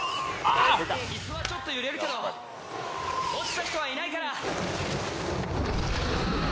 椅子はちょっと揺れるけど落ちた人はいないから。